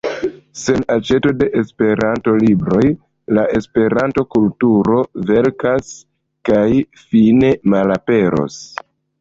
Sen aĉeto de Esperanto-libroj la Esperanto-kulturo velkas kaj fine malaperos.